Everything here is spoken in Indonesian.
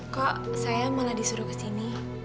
kok saya malah disuruh kesini